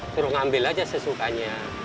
kurang ambil aja sesukanya